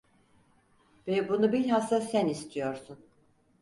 Ve bunu bilhassa sen istiyorsun!